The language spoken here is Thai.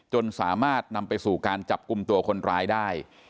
จนสามารถนำไปสู่การจับกลุ่มตัวคนร้ายได้